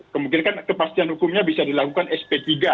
kemungkinan kepastian hukumnya bisa dilakukan sp tiga